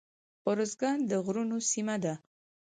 ارزګان د غرونو سیمه ده